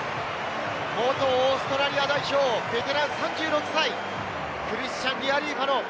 元オーストラリア代表、ベテラン３６歳、クリスチャン・リアリーファノ。